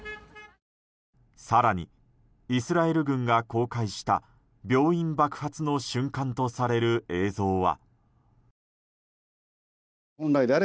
更にイスラエル軍が公開した病院爆発の瞬間とされる映像は。